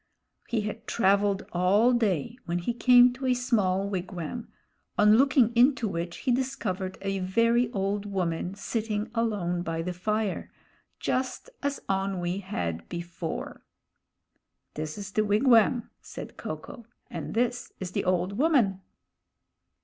He had traveled all day, when he came to a small wigwam, on looking into which he discovered a very old woman sitting alone by the fire; just as Onwee had before. This is the wigwam, said Ko ko, and this is the old woman.